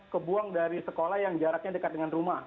kebuang dari sekolah yang jaraknya dekat dengan rumah